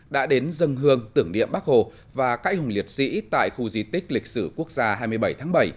đã đến dân hương tưởng niệm bắc hồ và cãi hùng liệt sĩ tại khu di tích lịch sử quốc gia hai mươi bảy tháng bảy